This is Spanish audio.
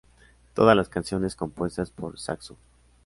Todas las canciones compuestas por Saxon.